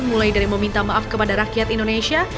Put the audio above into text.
mulai dari meminta maaf kepada rakyat indonesia